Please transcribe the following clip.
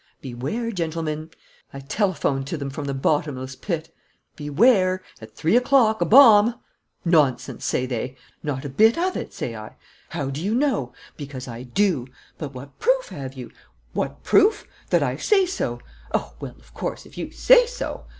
'Beware, gentlemen!' I telephone to them from the bottomless pit. 'Beware! At three o'clock, a bomb!' 'Nonsense!' say they. 'Not a bit of it!' say I. 'How do you know?' 'Because I do.' 'But what proof have you?' 'What proof? That I say so.' 'Oh, well, of course, if you say so!'